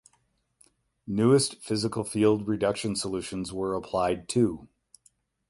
Newest physical field reduction solutions were applied too.